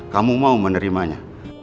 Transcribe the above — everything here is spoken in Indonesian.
kamu mau menerimanya